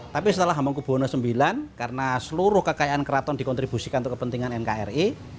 tapi setelah hamengkubwono ix karena seluruh kekayaan keraton dikontribusikan untuk kepentingan nkri